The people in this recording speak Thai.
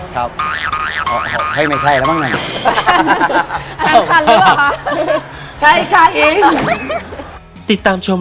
ครับให้ไม่ใช่แล้วบ้างหนึ่ง